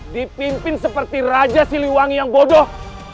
dipimpin seperti raja siliwangi yang bodoh